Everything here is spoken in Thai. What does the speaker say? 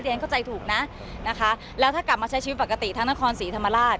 ทีนั้นก็ใจถูกนะแล้วถ้ากลับมาใช้ชีวิตปกติทางนครศรีธรรมดา